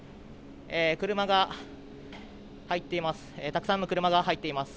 車が入っています。